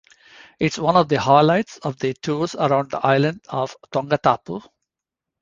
It is one of the highlights of the tours around the island of Tongatapu.